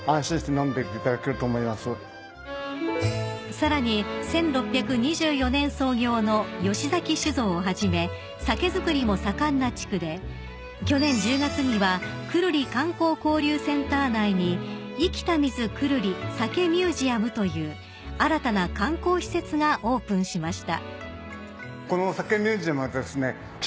［さらに１６２４年創業の吉崎酒造をはじめ酒造りも盛んな地区で去年１０月には久留里観光交流センター内に生きた水久留里酒ミュージアムという新たな観光施設がオープンしました］